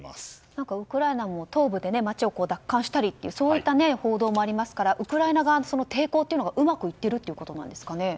何か、ウクライナも東部で町を奪還したりというそういった報道もありますからウクライナ側の抵抗がうまくいっているということなんですかね。